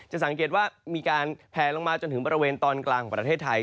สังเกตว่ามีการแผลลงมาจนถึงบริเวณตอนกลางของประเทศไทย